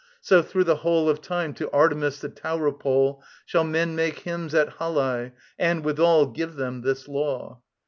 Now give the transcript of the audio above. So through the whole Of time to Artemis the Tauropole Shall men make hymns at Halae. And withal Give them this law.